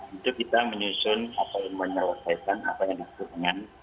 itu kita menyusun atau menyelesaikan apa yang berkaitan dengan